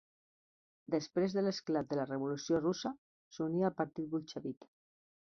Després de l'esclat de la Revolució Russa, s'uní al Partit Bolxevic.